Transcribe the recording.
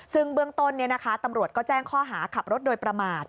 ซึ่งเบื้องต้นตำรวจก็แจ้งข้อหาขับรถโดยประมาท